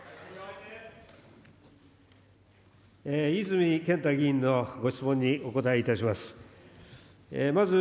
泉健太議員のご質問にお答えいたします。